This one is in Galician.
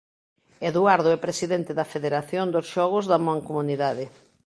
Eduardo é presidente da Federación dos Xogos da Mancomunidade.